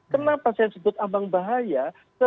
kenapa saya sebut ambang bahaya